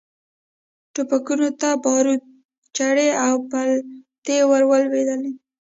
ټوپکونو ته باروت، چرې او پلتې ور ولوېدې.